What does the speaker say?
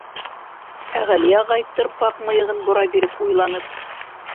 Ә Ғәли ағай, тырпаҡ мыйығын бора биреп, уйланып: